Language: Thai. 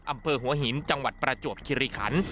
อำเภอหัวหินจังหวัดประจวบคิริขัน